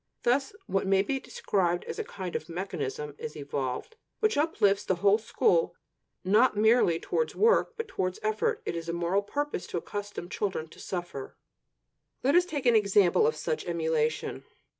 Thus what may be described as a kind of mechanism is evolved, which uplifts the whole school, not merely towards work, but towards effort. It is the moral purpose to accustom children to "suffer." Let us take an example of such emulation.